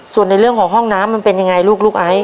ส่วนในเรื่องของห้องน้ำมันเป็นยังไงลูกลูกไอซ